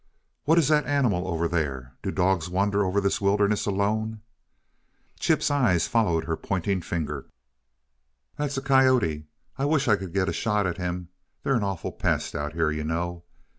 "What is that animal over there? Do dogs wander over this wilderness alone?" Chip's eyes followed her pointing finger. "That's a coyote. I wish I could get a shot at him they're an awful pest, out here, you know."